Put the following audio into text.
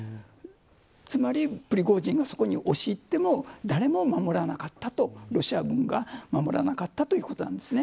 つまりプリゴジンがそこに押し入っても誰も守らなかったロシア軍が守らなかったということなんですね。